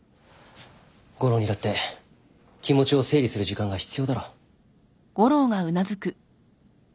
悟郎にだって気持ちを整理する時間が必要だろ。